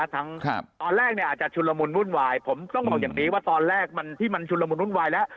ตอนแรกเนี่ยจะชุมลมุนวายตอนแรกมันที่มันชุมลมุนวายแล้ว